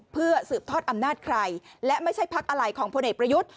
เพื่อสืบทอดอำนาจใครและไม่ใช่พักอะไรของพลเอกประยุทธ์